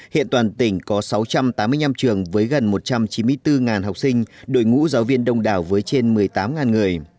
hiện toàn tỉnh có sáu trăm tám mươi năm trường với gần một trăm chín mươi bốn học sinh đội ngũ giáo viên đông đảo với trên một mươi tám người